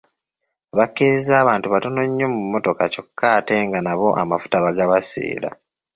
Bakkirizza abantu batono nnyo mu mmotoka kyokka ate nga nabo amafuta bagabaseera.